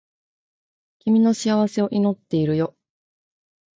君の幸せを祈っているよ